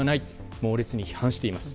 猛烈に批判しています。